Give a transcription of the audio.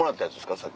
さっき。